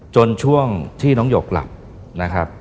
ช่วงที่น้องหยกหลับนะครับ